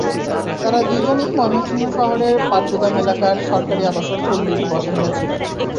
তাঁরা দুজনই ময়মনসিংহ শহরের পাটগুদাম এলাকার সরকারি আবাসন পল্লির বাসিন্দা ছিলেন।